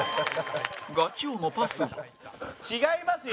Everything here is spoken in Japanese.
ガチ王のパスを山崎：違いますよ。